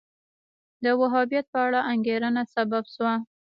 د وهابیت په اړه انګېرنه سبب شو